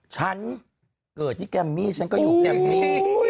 ฉันเกิดที่แกมมี่ฉันก็อยู่แกรมมี่